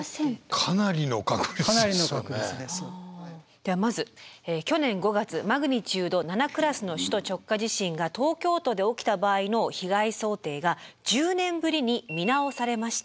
ではまず去年５月マグニチュード７クラスの首都直下地震が東京都で起きた場合の被害想定が１０年ぶりに見直されました。